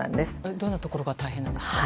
どんなところが大変なんですか？